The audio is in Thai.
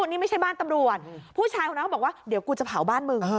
นี่ไม่ใช่บ้านตำรวจผู้ชายคนนั้นก็บอกว่าเดี๋ยวกูจะเผาบ้านมึง